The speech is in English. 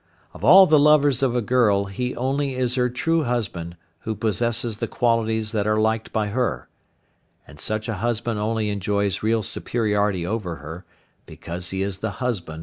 Of all the lovers of a girl he only is her true husband who possesses the qualities that are liked by her, and such a husband only enjoys real superiority over her, because he is the husband of love.